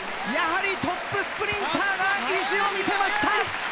やはりトップスプリンターが意地を見せました。